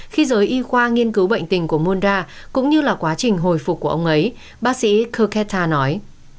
khi giới y khoa nghiên cứu bệnh tình của monda cũng như là quá trình hồi phục của ông ấy bác sĩ kurketa nói